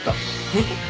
えっ？